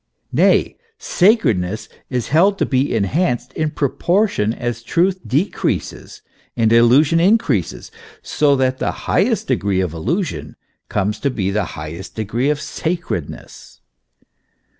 Nay, sacredness is held to be enhanced in pro portion as truth decreases and illusion increases, so that the xii highest degree of illusion comes to be the highest degree of sacredness.